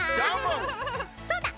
そうだ！